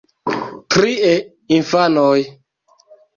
Trie, infanoj.